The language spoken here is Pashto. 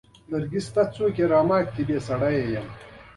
دغه درمل باید درملتون څخه واخلی.